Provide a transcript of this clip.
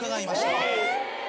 えっ？